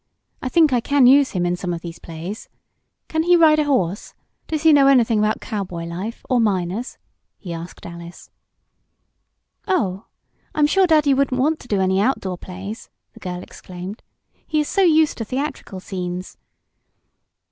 I think I can use him in some of these plays. Can he ride a horse does he know anything about cowboy life, or miners?" he asked Alice. "Oh, I'm sure daddy wouldn't want to do any outdoor plays," the girl exclaimed. "He is so used to theatrical scenes."